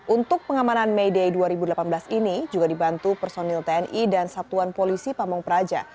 untuk pengamanan may day dua ribu delapan belas ini juga dibantu personil tni dan satuan polisi pamung praja